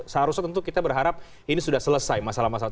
seharusnya tentu kita berharap ini sudah selesai masalah masalah